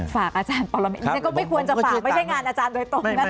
ฝากอาจารย์ปรมิตฉันก็ไม่ควรจะฝากไม่ใช่งานอาจารย์โดยตรงนะคะ